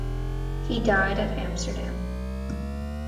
He died at Amsterdam.